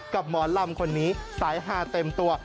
หมอลำคนนี้สายฮาเต็มตัว